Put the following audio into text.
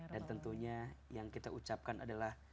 dan tentunya yang kita ucapkan adalah